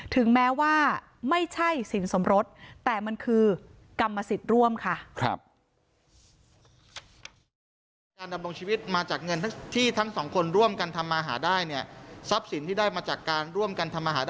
ถึงแม้ว่าไม่ใช่สินสมรสแต่มันคือกรรมสิทธิ์ร่วมค่ะ